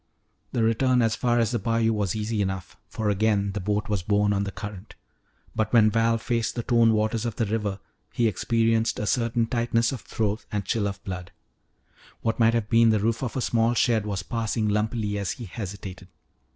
The return as far as the bayou was easy enough, for again the boat was borne on the current. But when Val faced the torn waters of the river he experienced a certain tightness of throat and chill of blood. What might have been the roof of a small shed was passing lumpily as he hesitated.